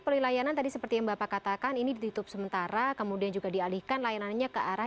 pihak rumah sakit qem menyatakan akan dilakukan mulai sabtu sembilan mei hingga delapan belas mei